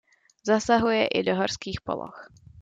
Zasahuje i do horských poloh.